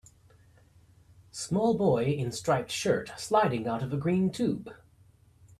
Small boy in striped shirt sliding out of green tube